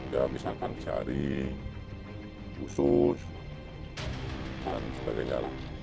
ya misalkan cari usus dan sebagainya